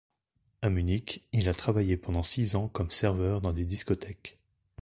À Munich, il a travaillé pendant six ans comme serveur dans des discothèques.